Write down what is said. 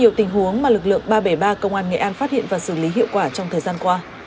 điều tình huống mà lực lượng ba trăm bảy mươi ba công an nghệ an phát hiện và xử lý hiệu quả trong thời gian qua